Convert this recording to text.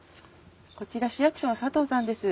こちら市役所の佐藤さんです。